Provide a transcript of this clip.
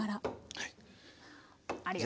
はい。